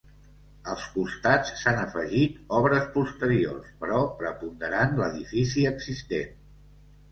Als costats s'han afegit obres posteriors, però preponderant l'edifici existent.